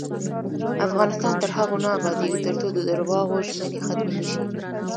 افغانستان تر هغو نه ابادیږي، ترڅو د درواغو ژمنې ختمې نشي.